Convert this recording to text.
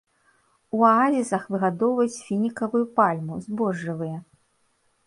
У аазісах выгадоўваюць фінікавую пальму, збожжавыя.